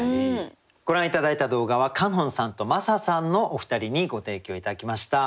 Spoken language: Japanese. ご覧頂いた動画はｃａｎｏｎさんとＭａｓａさんのお二人にご提供頂きました。